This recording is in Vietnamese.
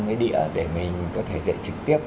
cái địa để mình có thể dạy trực tiếp